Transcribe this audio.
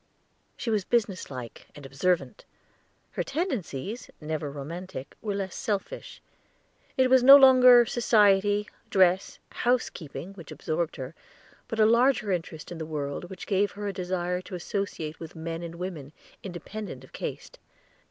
She was business like and observant. Her tendencies, never romantic, were less selfish; it was no longer society, dress, housekeeping, which absorbed her, but a larger interest in the world which gave her a desire to associate with men and women, independent of caste.